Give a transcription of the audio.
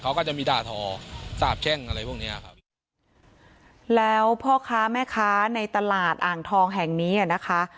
เขาก็จะมีด่าทอสาบแช่งอะไรพวกเนี้ยครับแล้วพ่อค้าแม่ค้าในตลาดอ่างทองแห่งนี้อ่ะนะคะ